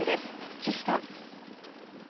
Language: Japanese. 岸さん。